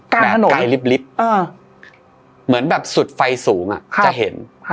กลางถนนแบบใกล้ลิบเหมือนแบบสุดไฟสูงอ่ะจะเห็น